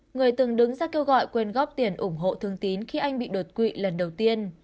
người từng đứng ra kêu gọi quyên góp tiền ủng hộ thương tín khi anh bị đột quỵ lần đầu tiên